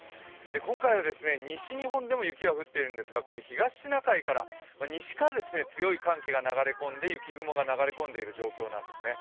今回は西日本でも雪が降っているんですが、東シナ海から、西から強い寒気が流れ込んで雪雲が流れ込んでいる状況なんですね。